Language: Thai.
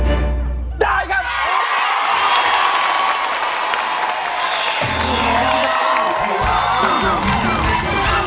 โทษให้โทษให้โทษให้โทษให้โทษให้